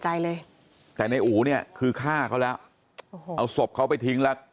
ใจเลยแต่ในอู๋เนี่ยคือฆ่าเขาแล้วโอ้โหเอาศพเขาไปทิ้งแล้ว